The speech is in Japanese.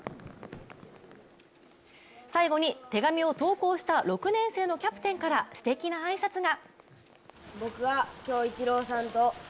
最後に、手紙を投稿した６年生のキャプテンからすてきな挨拶が。